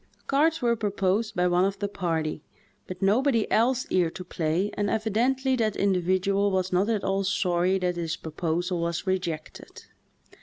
Cards were proposed by one of the party, but nobody else cared to play and evidently that individual was not at all sorry that his proposal was rejected.